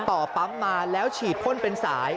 ต่อปั๊มมาแล้วฉีดพ่นเป็นสาย